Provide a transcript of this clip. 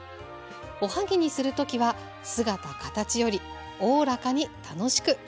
おはぎにする時は姿形よりおおらかに楽しく。